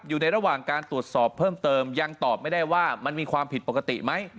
อยู่ในระหว่างการตรวจสอบเพิ่มเติมยังตอบไม่ได้ว่ามันมีความผิดปกติไหม